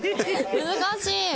難しい。